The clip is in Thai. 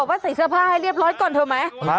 ปิดสิภาพให้เรียบร้อยก่อนเถอะไหม